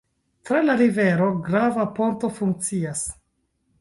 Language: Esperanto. Tra la rivero grava ponto funkcias.